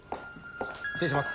失礼します。